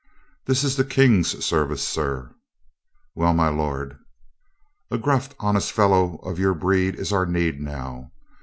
"This is the King's service, sir." "Well, my lord." "A gruff, honest fellow of your breed is our need now.